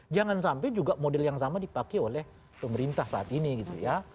jangan sampai juga model yang sama dipakai oleh pemerintah saat ini gitu ya